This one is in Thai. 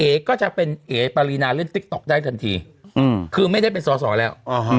ก็จะเป็นเอ๋ปารีนาเล่นติ๊กต๊อกได้ทันทีคือไม่ได้เป็นสอสอแล้ว